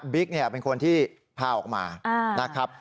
บิ๊กเป็นคนที่พาออกมา